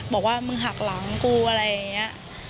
บอกว่ามึงหักหลังกูอะไรอย่างนี้